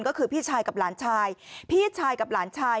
ก็คือพี่ชายกับหลานชายพี่ชายกับหลานชาย